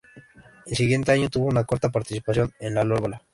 El siguiente año tuvo una corta participación en "Lalola".